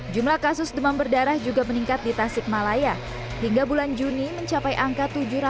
jumlah kasus demam berdarah juga meningkat di tasikmalaya hingga bulan juni mencapai angka